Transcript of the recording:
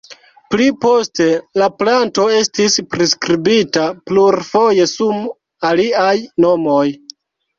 Pli poste la planto estis priskribita plurfoje sum aliaj nomoj.